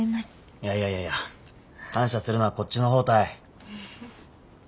いやいやいやいや感謝するのはこっちの方たい。